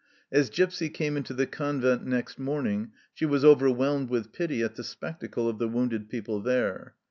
As Gipsy came into the convent next morning, she was over whelmed with pity at the spectacle of the wounded people there.